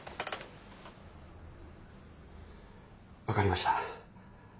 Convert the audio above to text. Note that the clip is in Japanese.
分かりました。